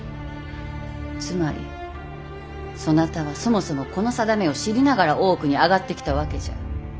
つまりそなたはそもそもこの定めを知りながら大奥に上がってきたわけじゃ。